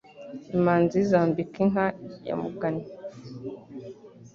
Imanzi zambika inka ya Mugani